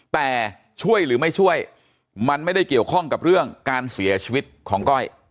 แต่ช่วยหรือไม่ช่วยมันไม่ได้เกี่ยวข้องกับเรื่องการเสียชีวิตของก้อย